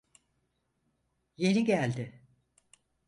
Yeni geldi.